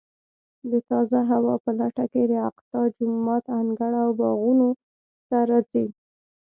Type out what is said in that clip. د تازه هوا په لټه کې د اقصی جومات انګړ او باغونو ته راځي.